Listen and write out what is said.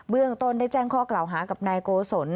เรื่องต้นได้แจ้งข้อกล่าวหากับนายโกศล